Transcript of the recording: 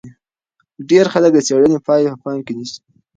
ډېر خلک د څېړنې پایلې په پام کې نیسي.